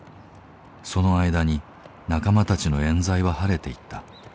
その間に仲間たちのえん罪は晴れていった。